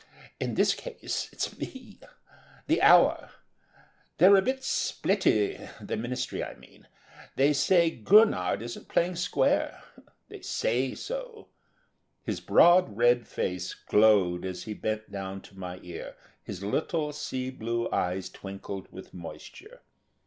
In this case, it's me, ... the Hour. They're a bit splitty, the Ministry, I mean.... They say Gurnard isn't playing square ... they say so." His broad, red face glowed as he bent down to my ear, his little sea blue eyes twinkled with moisture.